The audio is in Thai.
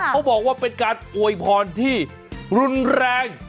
เขาบอกว่าเป็นการอวยพรที่รุนแรง